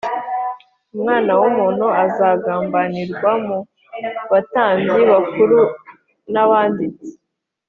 Umwana w’umuntu azagambanirwa mu batambyi bakuru n’abanditsi